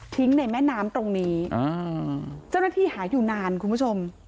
ในแม่น้ำตรงนี้อ่าเจ้าหน้าที่หาอยู่นานคุณผู้ชม